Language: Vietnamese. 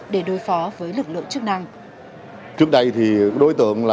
để đối phó với lực lượng chức năng